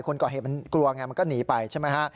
คนก่อเหตุมันกลัวไงมันก็หนีไปใช่ไหมฮะ